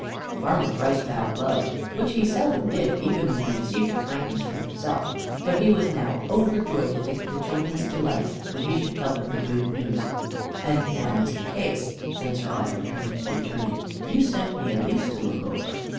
Farmer Price bowed low, which he seldom did, even when he received a kindness for himself, but he was now overjoyed to think of the children's delight when he should tell them the good news. "And now, Mr. Case," said Sir Arthur, turning to the Attorney, "you sent me a lease to look over."